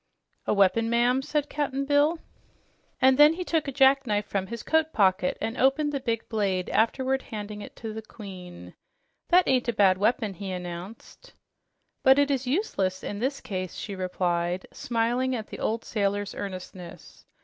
"A weapon, ma'am?" said Cap'n Bill, and then he took a jackknife from his coat pocket and opened the big blade, afterward handing it to the queen. "That ain't a bad weapon," he announced. "But it is useless in this case," she replied, smiling at the old sailor's earnestness.